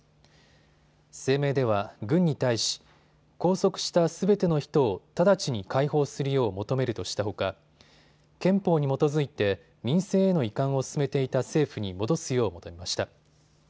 声明では軍に対し、拘束したすべての人を直ちに解放するよう求めるとしたほか憲法に基づいて民政への移管を進めていた政府に戻すよう求めました。